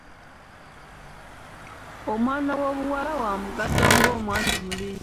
Omwana ow'obuwala wamugaso nga omwana omulenzi.